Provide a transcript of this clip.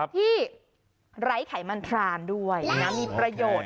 ไร้ไขมันพรานด้วยนะมีประโยชน์